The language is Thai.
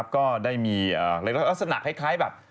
ก็ได้มีลักษณะคล้ายแบบ